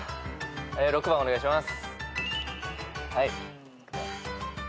６番お願いします。